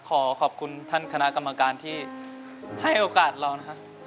ขอขอบคุณท่านคณะกรรมการที่ให้โอกาสเรานะครับ